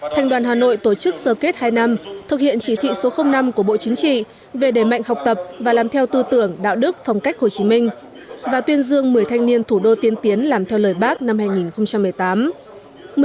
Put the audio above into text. thực hiện chỉ thị số năm của bộ chính trị về đề mạnh học tập và làm theo tư tưởng đạo đức phong cách hồ chí minh và tuyên dương một mươi thanh niên thủ đô tiên tiến làm theo lời bác năm hai nghìn một mươi tám